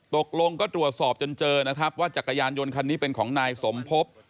ตกลงก็ตรวจสอบจนเจอนะครับว่าจักรยานยนต์คันนี้เป็นของนายสมภพ